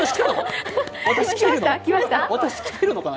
私、キテるのかな？